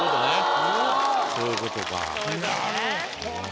そういうことか。